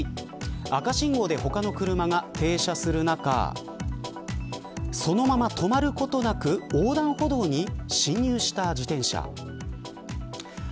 赤信号で他の車が停車する中そのまま止まることなく横断歩道に進入した自転車。